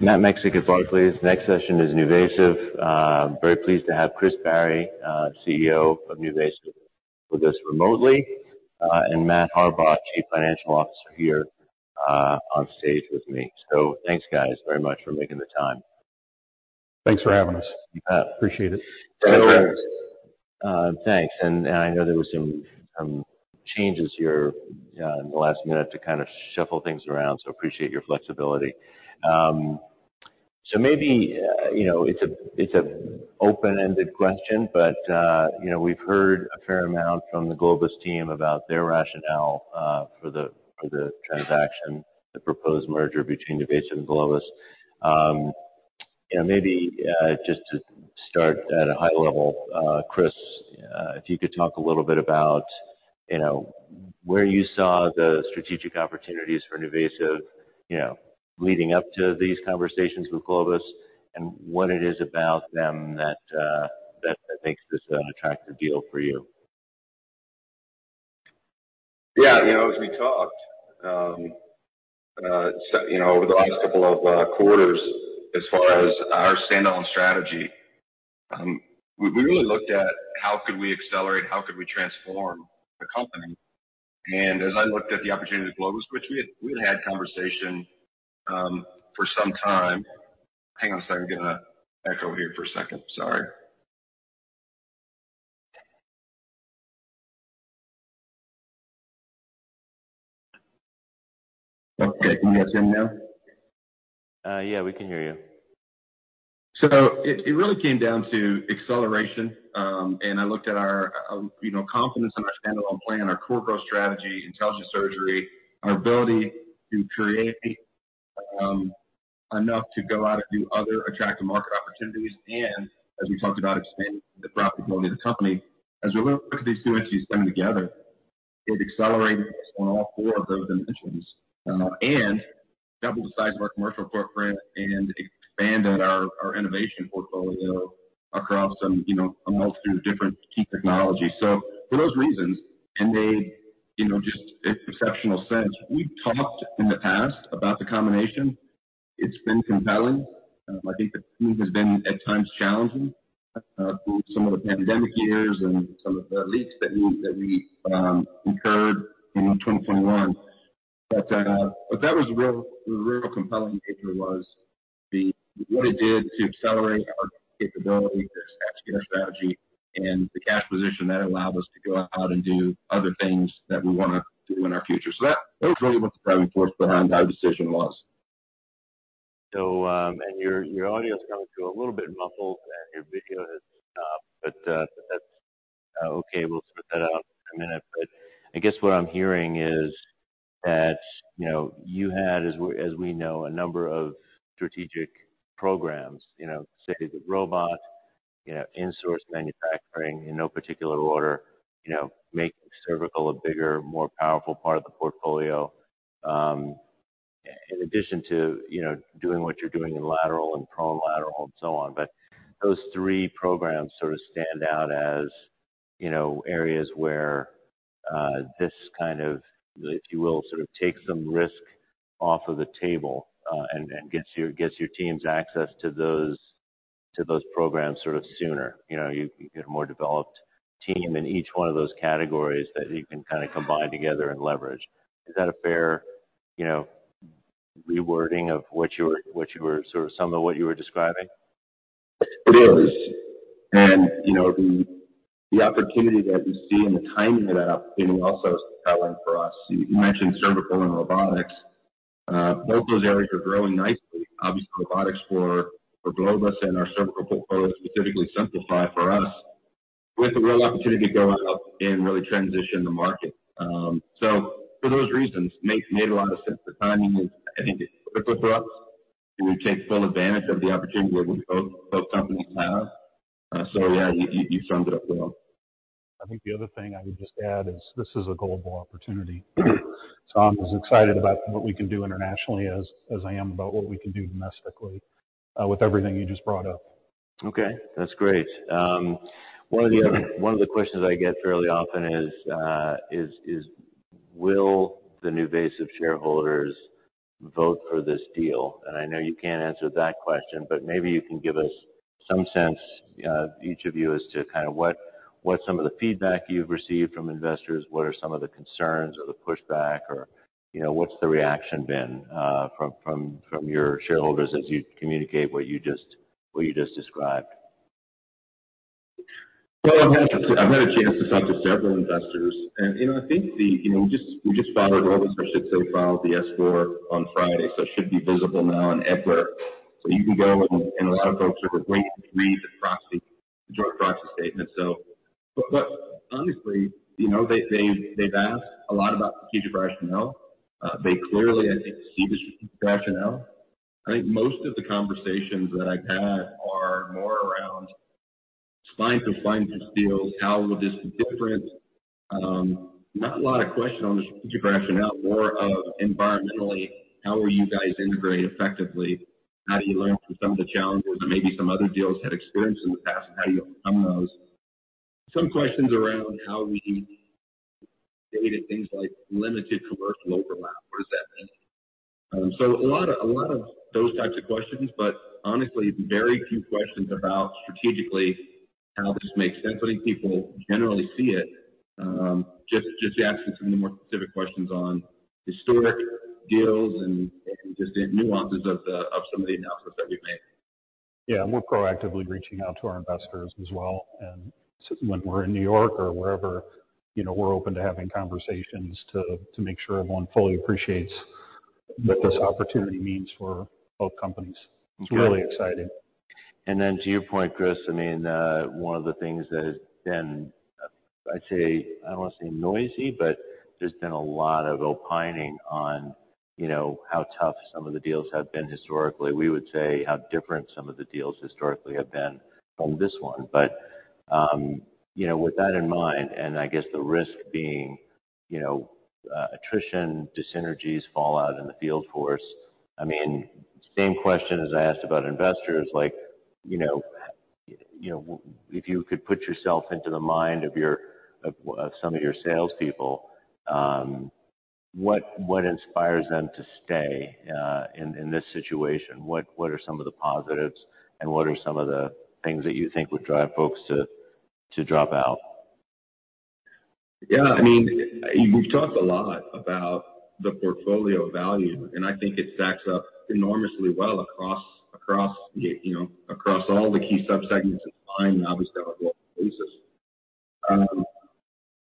Matt Miksic at Barclays. Next session is NuVasive. very pleased to have Chris Barry, CEO of NuVasive with us remotely, and Matt Harbaugh, Chief Financial Officer here, on stage with me. Thanks, guys, very much for making the time. Thanks for having us. Appreciate it. Thanks. I know there were some changes here in the last minute to kind of shuffle things around, so appreciate your flexibility. Maybe, you know, it's an open-ended question, but, you know, we've heard a fair amount from the Globus team about their rationale for the transaction, the proposed merger between NuVasive and Globus. Maybe, just to start at a high level, Chris, if you could talk a little bit about, you know, where you saw the strategic opportunities for NuVasive, you know, leading up to these conversations with Globus and what it is about them that makes this an attractive deal for you? Yeah, you know, as we talked, you know, over the last couple of quarters as far as our standalone strategy, we really looked at how could we accelerate, how could we transform the company. As I looked at the opportunity with Globus, which we had conversation for some time. Hang on a second. Getting an echo here for a second. Sorry. Can you guys hear me now? Yeah, we can hear you. It really came down to acceleration. I looked at our, you know, confidence in our standalone plan, our core growth strategy, intelligent surgery, our ability to create, enough to go out and do other attractive market opportunities and as we talked about, expanding the profitability of the company. As we look at these two entities coming together, it accelerated us on all four of those dimensions, and doubled the size of our commercial footprint and expanded our innovation portfolio across some, you know, a multitude of different key technologies. For those reasons, and they, you know, just a exceptional sense. We've talked in the past about the combination. It's been compelling. I think the team has been at times challenging through some of the pandemic years and some of the leaks that we incurred in 2021. That was the real compelling picture was what it did to accelerate our capability, to execute our strategy and the cash position that allowed us to go out and do other things that we want to do in our future. That was really what the driving force behind our decision was. And your audio's coming through a little bit muffled and your video has stopped, but that's okay. We'll sort that out in a minute. I guess what I'm hearing is that, you know, you had, as we, as we know, a number of strategic programs. You know, say the robot, you know, insource manufacturing in no particular order. You know, making cervical a bigger, more powerful part of the portfolio, in addition to, you know, doing what you're doing in lateral and prone lateral and so on. Those three programs sort of stand out as, you know, areas where this kind of, if you will, sort of take some risk off of the table, and gets your, gets your teams access to those, to those programs sort of sooner. You know, you can get a more developed team in each one of those categories that you can kind of combine together and leverage. Is that a fair, you know, rewording of what you were, what you were sort of some of what you were describing? It is. You know, the opportunity that we see and the timing of that opportunity also is compelling for us. You mentioned cervical and robotics. Both those areas are growing nicely. Obviously, robotics for Globus and our cervical portfolio specifically Simplify for us, with a real opportunity to go out and really transition the market. For those reasons, made a lot of sense. The timing is, I think, critical for us, and we take full advantage of the opportunity where both companies have. Yeah, you summed it up well. I think the other thing I would just add is this is a global opportunity. I'm as excited about what we can do internationally as I am about what we can do domestically, with everything you just brought up. Okay, that's great. One of the other, one of the questions I get fairly often is, will the NuVasive shareholders vote for this deal? I know you can't answer that question, but maybe you can give us some sense, each of you as to kind of what some of the feedback you've received from investors, what are some of the concerns or the pushback or, you know, what's the reaction been from your shareholders as you communicate what you just described? Well, I'm happy to say I've had a chance to talk to several investors and, you know, we just filed, or Globus actually had to file the S-4 on Friday, so it should be visible now on EDGAR. You can go and a lot of folks are waiting to read the proxy, the joint proxy statement. Honestly, you know, they've asked a lot about strategic rationale. They clearly, I think, see the strategic rationale. I think most of the conversations that I've had are more around scientific deals. How will this be different? Not a lot of question on the strategic rationale, more of environmentally, how will you guys integrate effectively? How do you learn from some of the challenges that maybe some other deals had experienced in the past, and how do you overcome those? Some questions around how things like limited commercial overlap. What does that mean? A lot of, a lot of those types of questions, but honestly, very few questions about strategically how this makes sense. I think people generally see it, just asking some of the more specific questions on historic deals and just the nuances of the, of some of the announcements that we've made. Yeah. We're proactively reaching out to our investors as well, and when we're in New York or wherever, you know, we're open to having conversations to make sure everyone fully appreciates what this opportunity means for both companies. It's really exciting. To your point, Chris, I mean, one of the things that has been, I'd say, I don't want to say noisy, but there's been a lot of opining on, you know, how tough some of the deals have been historically. We would say how different some of the deals historically have been from this one. You know, with that in mind, and I guess the risk being, you know, attrition, dyssynergies, fallout in the field force. I mean, same question as I asked about investors, like, you know, if you could put yourself into the mind of some of your salespeople, what inspires them to stay in this situation? What are some of the positives, and what are some of the things that you think would drive folks to drop out? I mean, we've talked a lot about the portfolio value, and I think it stacks up enormously well across, you know, across all the key subsegments it's in and obviously on a global basis.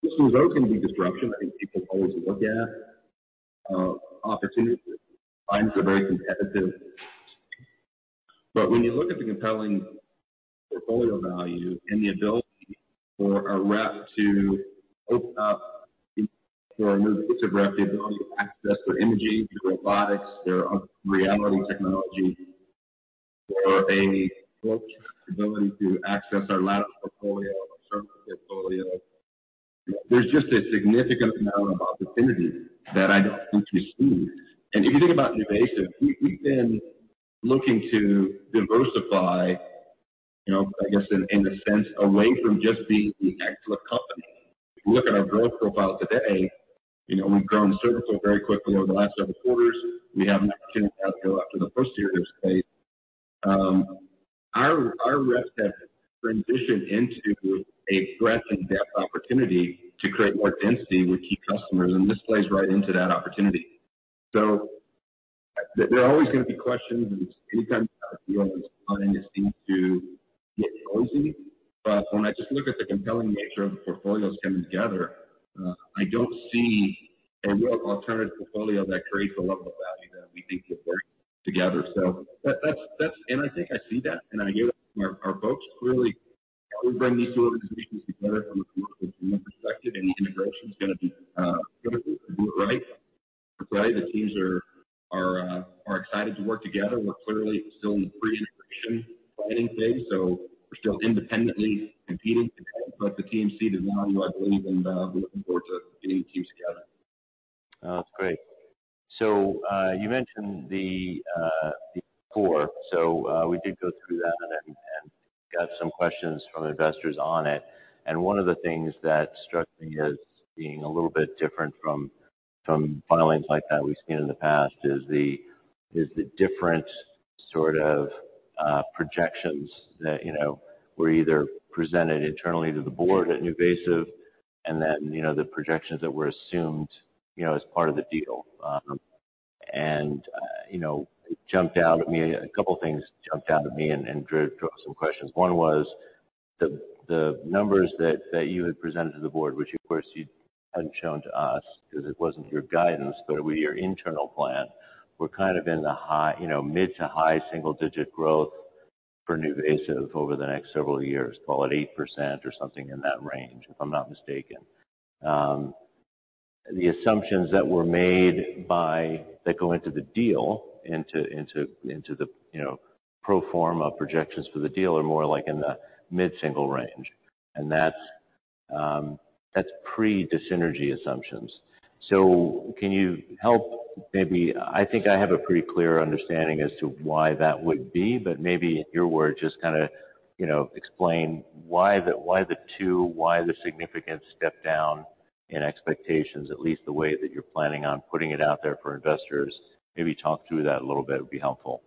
There's always going to be disruption. I think people always look at opportunities. Times are very competitive. When you look at the compelling portfolio value and the ability for a rep to open up for a new piece of rep, the ability to access their imaging, their robotics, their augmented reality technology, or a growth ability to access our lateral portfolio, our surface portfolio. There's just a significant amount of opportunity that I don't think we've seen. If you think about NuVasive, we've been looking to diversify, you know, I guess in a sense, away from just being a excellent company. If you look at our growth profile today, you know, we've grown surgical very quickly over the last several quarters. We have an opportunity now to go after the post-year of state. Our, our reps have transitioned into a breadth and depth opportunity to create more density with key customers, and this plays right into that opportunity. There are always gonna be questions, and anytime you have a deal this funding does seem to get noisy. When I just look at the compelling nature of the portfolios coming together, I don't see a real alternative portfolio that creates the level of value that we think will work together. That's, and I think I see that, and I give our folks clearly how we bring these two organizations together from a cultural and human perspective, and the integration is gonna be critical to do it right. The teams are excited to work together. We're clearly still in the pre-integration planning phase, so we're still independently competing today. The team sees the value, I believe, and we're looking forward to getting the teams together. That's great. You mentioned the core. We did go through that and got some questions from investors on it. One of the things that struck me as being a little bit different from filings like that we've seen in the past is the different sort of projections that, you know, were either presented internally to the board at NuVasive and then, you know, the projections that were assumed, you know, as part of the deal. You know, it jumped out at me. A couple of things jumped out at me and drove some questions. One was the numbers that you had presented to the board, which of course you hadn't shown to us 'cause it wasn't your guidance, but it was your internal plan, were kind of in the high, you know, mid to high single-digit growth for NuVasive over the next several years. Call it 8% or something in that range, if I'm not mistaken. The assumptions that were made that go into the deal, into the, you know, pro forma projections for the deal are more like in the mid-single range, and that's pre-dis-synergy assumptions. Can you help maybe, I think I have a pretty clear understanding as to why that would be, but maybe in your word, just kinda, you know, explain why the, why the two, why the significant step down in expectations, at least the way that you're planning on putting it out there for investors. Maybe talk through that a little bit would be helpful.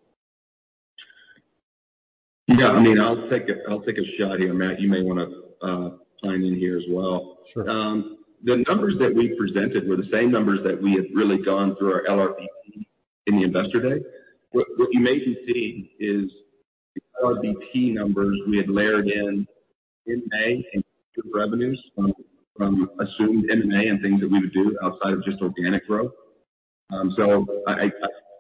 Yeah. I mean, I'll take a shot here. Matt, you may wanna chime in here as well. Sure. The numbers that we presented were the same numbers that we had really gone through our LRBP in the investor day. What you may have seen is the LRBP numbers we had layered in in May and future revenues from assumed M&A and things that we would do outside of just organic growth. I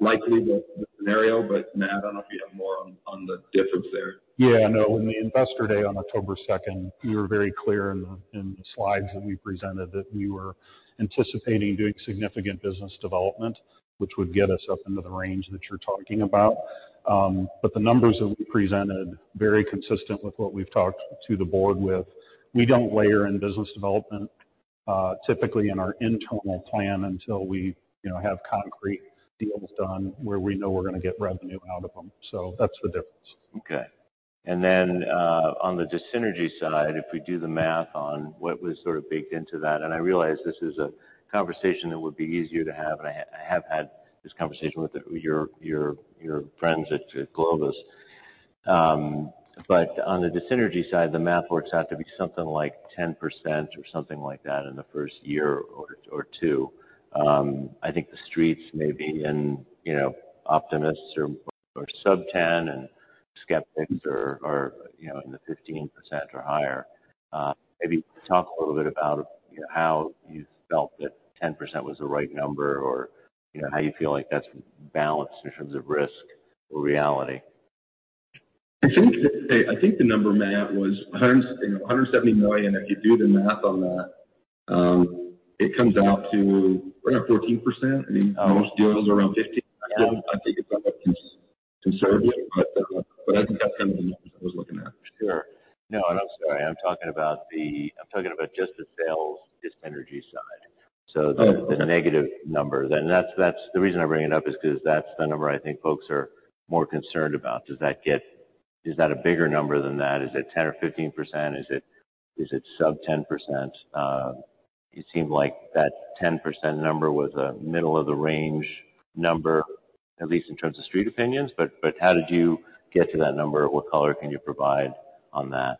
likely the scenario, but Matt, I don't know if you have more on the difference there. Yeah, no. In the investor day on October 2nd, we were very clear in the, in the slides that we presented that we were anticipating doing significant business development, which would get us up into the range that you're talking about. The numbers that we presented, very consistent with what we've talked to the board with. We don't layer in business development, typically in our internal plan until we, you know, have concrete deals done where we know we're gonna get revenue out of them. That's the difference. Then, on the dis-synergy side, if we do the math on what was sort of baked into that, and I realize this is a conversation that would be easier to have and I have had this conversation with your friends at Globus. On the dis-synergy side, the math works out to be something like 10% or something like that in the first year or two. I think the streets may be in, you know, optimists are sub 10% and skeptics are, you know, in the 15% or higher. Maybe talk a little bit about how you felt that 10% was the right number or, you know, how you feel like that's balanced in terms of risk or reality. I think the number, Matt, was You know, $170 million. If you do the math on that, it comes out to around 14%. I mean, most deals are around 15%. I think it's somewhat conservative, but I think that's kind of the numbers I was looking at. Sure. No, and I'm sorry. I'm talking about just the sales dis-synergy side. Oh, okay. The negative number then. That's... The reason I bring it up is 'cause that's the number I think folks are more concerned about. Is that a bigger number than that? Is it 10% or 15%? Is it sub 10%? It seemed like that 10% number was a middle of the range number, at least in terms of street opinions. How did you get to that number? What color can you provide on that?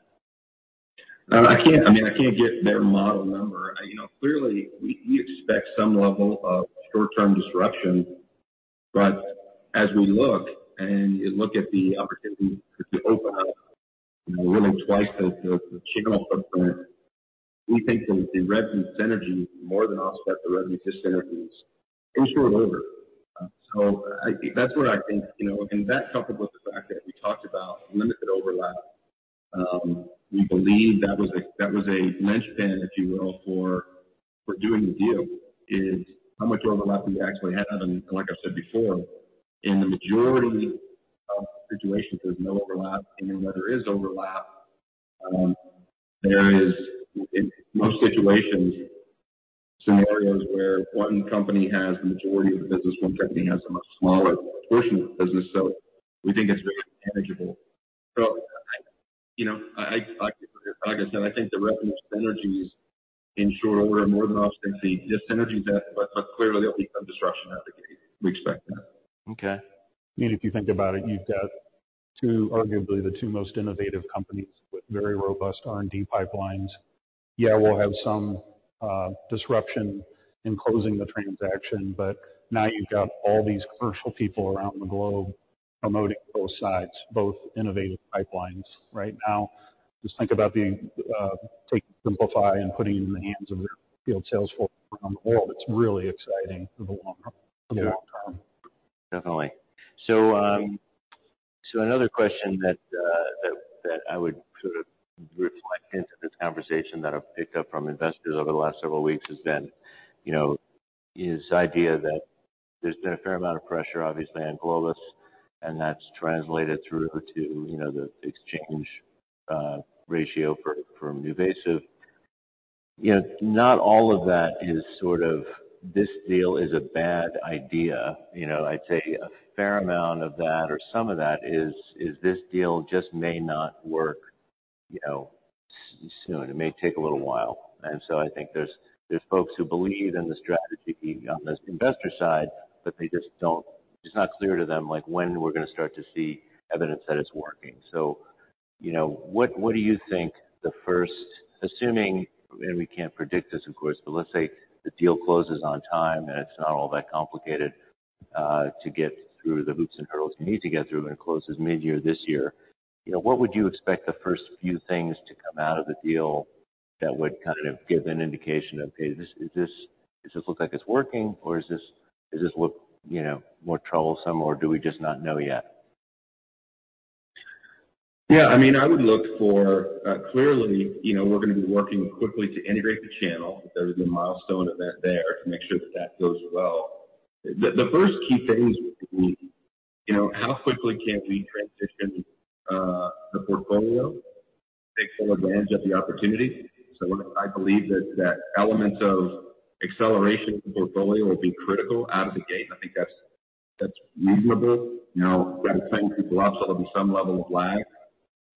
I can't, I mean, I can't get their model number. You know, clearly, we expect some level of short-term disruption. As we look and you look at the opportunity to open up, you know, really twice the, the channel footprint, we think that the revenue synergy more than offsets the revenue dis-synergies in short order. I think that's what I think, you know. That coupled with the fact that we talked about limited overlap, we believe that was a, that was a linchpin, if you will, for doing the deal, is how much overlap we actually have. Like I said before, in the majority of situations, there's no overlap. Where there is overlap, there is in most situations, scenarios where one company has the majority of the business, one company has a much smaller portion of the business. We think it's very manageable. You know, I, like I said, I think the revenue synergies in short order more than offset the dis-synergy debt, but clearly there'll be some disruption out of the gate. We expect that. Okay. I mean, if you think about it, you've got two... arguably the two most innovative companies with very robust R&D pipelines. Yeah, we'll have some disruption in closing the transaction, now you've got all these commercial people around the globe promoting both sides, both innovative pipelines right now. Just think about being taking Simplify and putting it in the hands of their field sales force around the world. It's really exciting for the long term. Definitely. Another question that I would sort of root my hint of this conversation that I've picked up from investors over the last several weeks has been, you know, is idea that there's been a fair amount of pressure, obviously, on Globus, and that's translated through to, you know, the exchange ratio for NuVasive. You know, not all of that is sort of, this deal is a bad idea. You know, I'd say a fair amount of that or some of that is this deal just may not work, you know, soon. It may take a little while. I think there's folks who believe in the strategy on the investor side, but they just it's not clear to them, like, when we're gonna start to see evidence that it's working. You know, assuming, and we can't predict this, of course, but let's say the deal closes on time and it's not all that complicated, to get through the hoops and hurdles you need to get through and it closes mid-year this year. You know, what would you expect the first few things to come out of the deal that would kind of give an indication of, hey, is this does this look like it's working or is this, does this look, you know, more troublesome or do we just not know yet? Yeah, I mean, I would look for, clearly, you know, we're gonna be working quickly to integrate the channel. There is a milestone event there to make sure that that goes well. The first key things would be, you know, how quickly can we transition the portfolio to take full advantage of the opportunity. I believe that that element of acceleration of the portfolio will be critical out of the gate, and I think that's reasonable. You know, we've got to train people up, so there'll be some level of lag.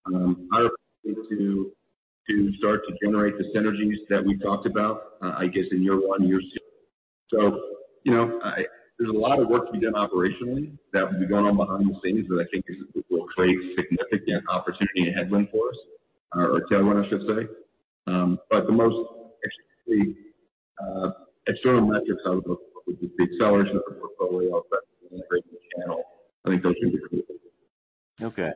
I expect to start to generate the synergies that we talked about, I guess in year one, year two. You know, there's a lot of work to be done operationally that will be going on behind the scenes that I think will create significant opportunity and headwind for us, or tailwind, I should say. The most extreme external metrics I would look for would be the acceleration of the portfolio, effectively integrating the channel. I think those would be critical. Okay.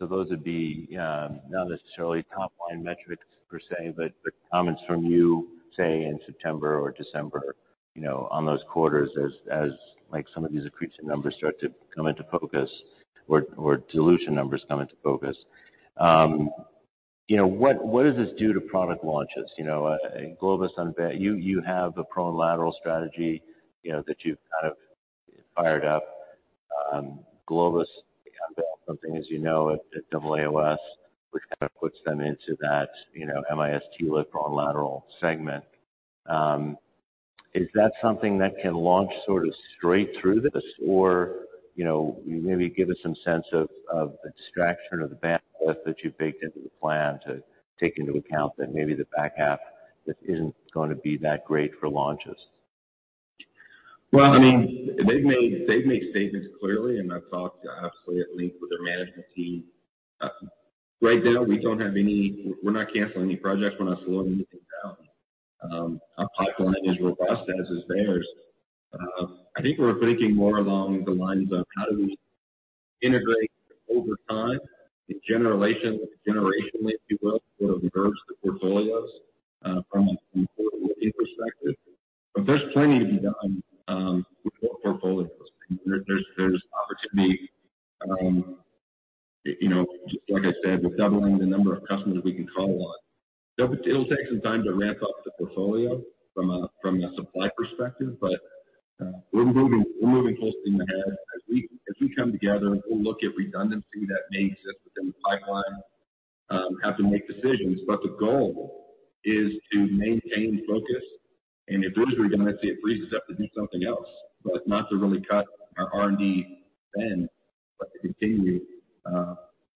Those would be not necessarily top-line metrics per se, but the comments from you, say, in September or December, you know, on those quarters as like some of these accretion numbers start to come into focus or dilution numbers come into focus. You know, what does this do to product launches? You know, Globus unveiled. You have a prone lateral strategy, you know, that you've kind of fired up. Globus unveiled something, as you know, at AAOS. It puts them into that, you know, MIS TLIF from lateral segment. Is that something that can launch sort of straight through this or, you know, maybe give us some sense of the distraction or the bandwidth that you've baked into the plan to take into account that maybe the back half just isn't going to be that great for launches? Well, I mean, they've made statements clearly, and I've talked absolutely at length with their management team. Right now, we don't have any we're not canceling any projects. We're not slowing anything down. Our pipeline is robust, as is theirs. I think we're thinking more along the lines of how do we integrate over time, generationally, if you will, sort of merge the portfolios, from a portfolio perspective. There's plenty to be done with both portfolios. There's opportunity, you know, what I said, with doubling the number of customers we can call on. That it'll take some time to ramp up the portfolio from a supply perspective. We're moving full steam ahead. As we come together, we'll look at redundancy that may exist within the pipeline, have to make decisions. The goal is to maintain focus, and if there's redundancy, it frees us up to do something else. Not to really cut our R&D spend, but to continue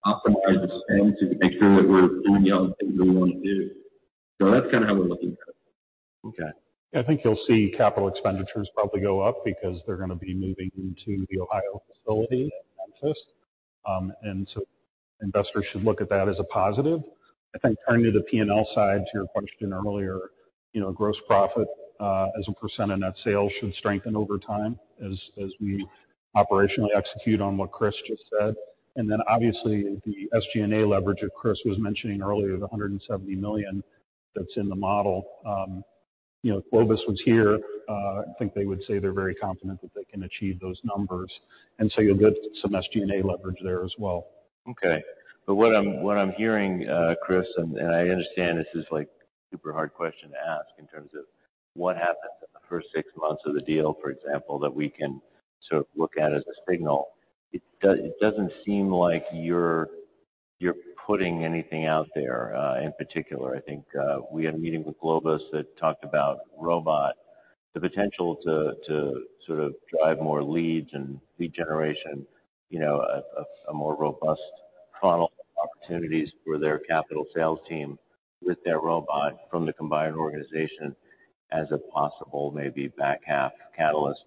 optimize the spend to make sure that we're doing the other things we want to do. That's kind of how we're looking at it. Okay. I think you'll see capital expenditures probably go up because they're going to be moving into the Ohio facility in Memphis. Investors should look at that as a positive. I think turning to the P&L side, to your question earlier, you know, gross profit as a percent and net sales should strengthen over time as we operationally execute on what Chris just said. Obviously, the SG&A leverage that Chris was mentioning earlier, the $170 million that's in the model, you know, if Globus was here, I think they would say they're very confident that they can achieve those numbers. You'll get some SG&A leverage there as well. Okay. What I'm, what I'm hearing, Chris, and I understand this is like a super hard question to ask in terms of what happens in the first six months of the deal, for example, that we can sort of look at as a signal. It doesn't seem like you're putting anything out there in particular. I think we had a meeting with Globus that talked about robot, the potential to sort of drive more leads and lead generation, you know, a more robust funnel of opportunities for their capital sales team with their robot from the combined organization as a possible maybe back half catalyst.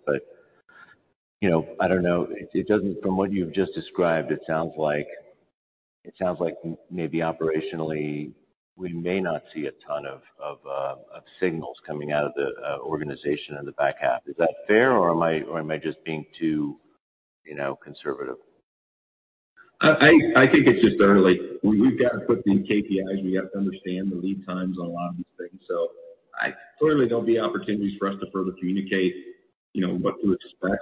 You know, I don't know. It doesn't from what you've just described, it sounds like maybe operationally, we may not see a ton of signals coming out of the organization in the back half. Is that fair, or am I just being too, you know, conservative? I think it's just early. We've got to put these KPIs. We have to understand the lead times on a lot of these things. Certainly there'll be opportunities for us to further communicate, you know, what to expect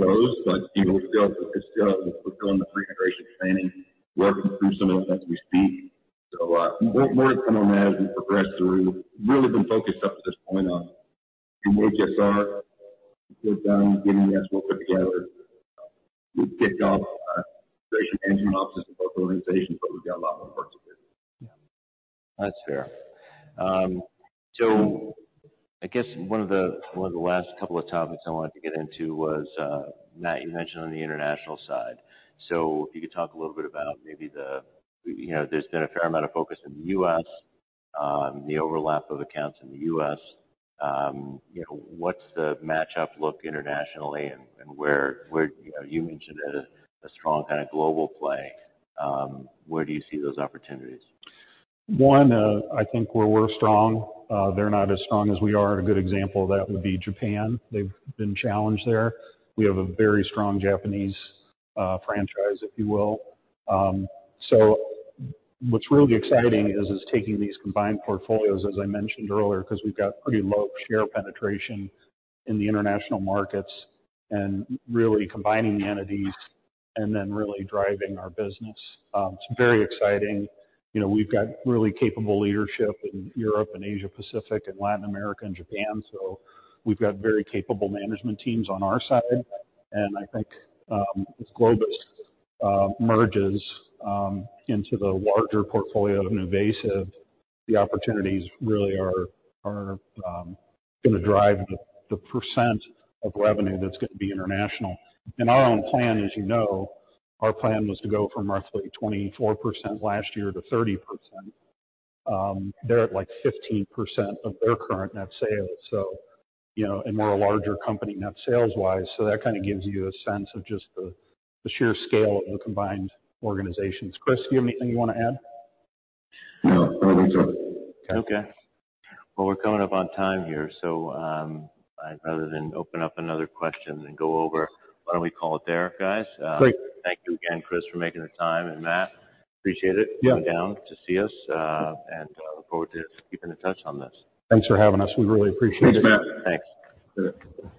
as it goes. You know, we're still in the pre-integration planning, working through some of it as we speak. We'll learn more as we progress through. Really been focused up to this point on doing HSR, good getting the actual put together. We've kicked off our Integration Management Offices in both organizations. We've got a lot more work to do. That's fair. I guess one of the, one of the last couple of topics I wanted to get into was, Matt, you mentioned on the international side. If you could talk a little bit about maybe the, you know, there's been a fair amount of focus in the U.S., the overlap of accounts in the U.S. You know, what's the match up look internationally and where, you know, you mentioned a strong kind of global play. Where do you see those opportunities? One, I think where we're strong, they're not as strong as we are. A good example of that would be Japan. They've been challenged there. We have a very strong Japanese franchise, if you will. What's really exciting is taking these combined portfolios, as I mentioned earlier, 'cause we've got pretty low share penetration in the international markets and really combining the entities and then really driving our business. It's very exciting. You know, we've got really capable leadership in Europe and Asia Pacific and Latin America and Japan. We've got very capable management teams on our side. I think, as Globus merges into the larger portfolio of NuVasive, the opportunities really are gonna drive the percent of revenue that's gonna be international. In our own plan, as you know, our plan was to go from roughly 24% last year to 30%. They're at, like, 15% of their current net sales. You know, and we're a larger company net sales wise. That kind of gives you a sense of just the sheer scale of the combined organizations. Chris, you have anything you want to add? No. No, we're good. Okay. Well, we're coming up on time here, so I'd rather than open up another question than go over, why don't we call it there, guys? Great. Thank you again, Chris, for making the time, and Matt. Appreciate it. Yeah. Coming down to see us, and I look forward to keeping in touch on this. Thanks for having us. We really appreciate it. Thanks, Matt. Thanks.